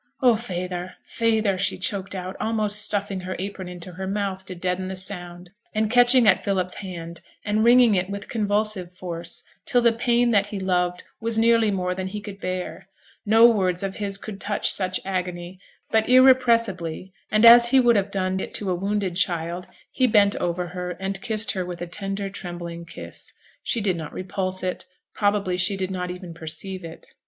Oh, feyther! feyther!' she choked out, almost stuffing her apron into her mouth to deaden the sound, and catching at Philip's hand, and wringing it with convulsive force, till the pain that he loved was nearly more than he could bear. No words of his could touch such agony; but irrepressibly, and as he would have done it to a wounded child, he bent over her, and kissed her with a tender, trembling kiss. She did not repulse it, probably she did not even perceive it.